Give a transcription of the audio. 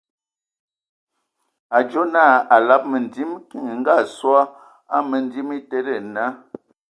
A a adzo naa a alab məndim, kiŋ e Ngaasɔ a mǝndim a etede naa :